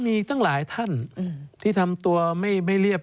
มีตั้งหลายท่านที่ทำตัวไม่เรียบ